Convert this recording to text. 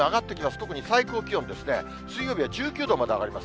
特に最高気温ですね、水曜日は１９度まで上がります。